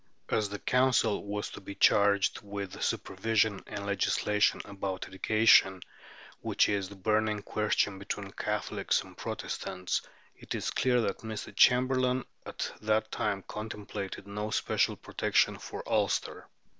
As the Council was to be charged with the supervision and legislation about education, which is the burning question between Catholics and Protestants, it is clear that Mr. Chamberlain at that time contemplated no special protection for Ulster."